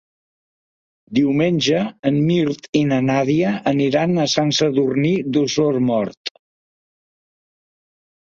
Diumenge en Mirt i na Nàdia aniran a Sant Sadurní d'Osormort.